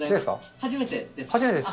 初めてです。